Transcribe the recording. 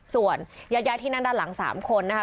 ส่วนญาติที่นั่งด้านหลัง๓คนนะคะ